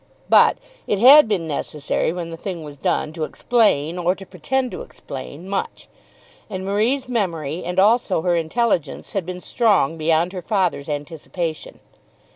But it had been necessary when the thing was done to explain, or to pretend to explain, much; and Marie's memory and also her intelligence had been strong beyond her father's anticipation.